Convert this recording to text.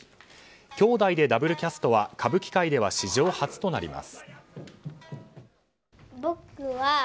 姉弟でダブルキャストは歌舞伎界では史上初となります。